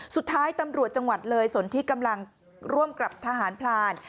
สุดท้ายตำรวจจังหวัดเลยสนที่กำลังร่วมกับทหารพลาน